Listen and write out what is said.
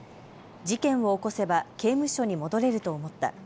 事件を起こせば刑務所に戻れると思った。